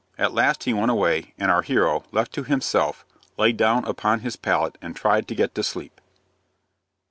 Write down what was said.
At last he went away, and our hero, left to himself, lay down upon his pallet and tried to get to sleep.